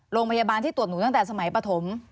โรงพยาบาลที่ตรวจหนูตั้งแต่สมัยปฐม